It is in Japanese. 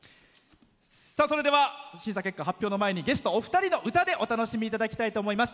それでは、審査結果の発表の前にゲストお二人の歌でお楽しみいただきたいと思います。